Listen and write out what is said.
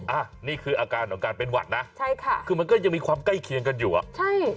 อ่ะนี่คืออาการของการเป็นหวัดนะใช่ค่ะคือมันก็ยังมีความใกล้เคียงกันอยู่อ่ะใช่